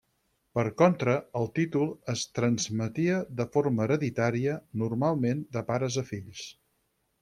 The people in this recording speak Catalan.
Per contra, el títol es transmetia de forma hereditària, normalment de pares a fills.